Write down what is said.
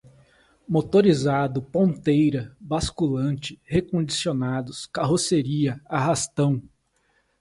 motorizado, ponteira, basculante, recondicionados, carroceria, arrastão